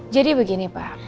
jadi begini pak